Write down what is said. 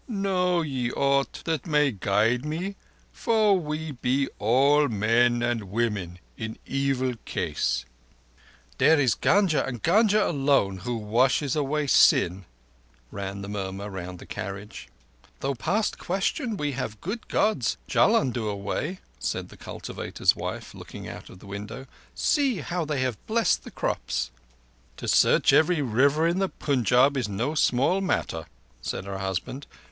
Know ye aught that may guide me, for we be all men and women in evil case." "There is Gunga—and Gunga alone—who washes away sin." ran the murmur round the carriage. "Though past question we have good Gods Jullundur way," said the cultivator's wife, looking out of the window. "See how they have blessed the crops." "To search every river in the Punjab is no small matter," said her husband.